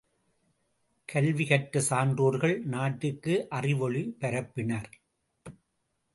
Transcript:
கல்வி கற்ற சான்றோர்கள் நாட்டுக்கு அறிவொளி பரப்பினர்.